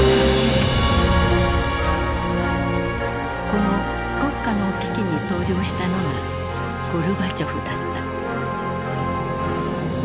この国家の危機に登場したのがゴルバチョフだった。